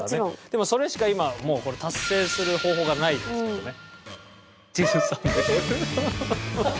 でもそれしか今もうこれ達成する方法がないですけどね。